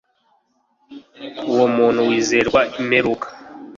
uwo muntu wizerwa imperuka